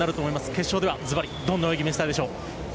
決勝ではズバリどんな泳ぎを見せたいでしょう？